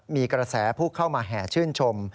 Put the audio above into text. มีกระแสผู้เข้ามาแห่ชื่นชม